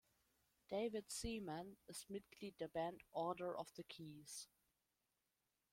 David Seaman ist Mitglied der Band Order of the Keys.